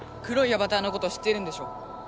黒いアバターのこと知ってるんでしょ？